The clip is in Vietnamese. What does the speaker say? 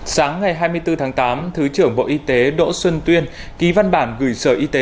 sáng ngày hai mươi bốn tháng tám thứ trưởng bộ y tế đỗ xuân tuyên ký văn bản gửi sở y tế